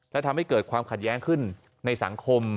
และทำให้เกิดความขัดแย้งขึ้นในสังคม